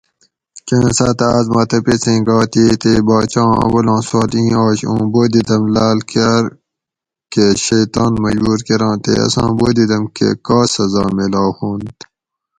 کاۤن ساۤتہ آۤس ما تپیسیں گات ییئے تے باچاں اولاں سوال ایں آش اوں بودیدم ڷاڷ کاۤر کہ شیطان مجبور کراں تے اساں بودیدم کہ کا سزا میلاؤ ہوانت؟